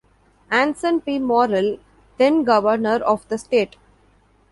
Anson P. Morrill, then governor of the State.